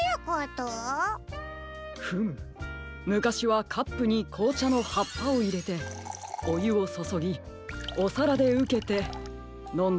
フムむかしはカップにこうちゃのはっぱをいれておゆをそそぎおさらでうけてのんでいたそうですね。